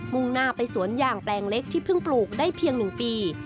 ่งหน้าไปสวนยางแปลงเล็กที่เพิ่งปลูกได้เพียง๑ปี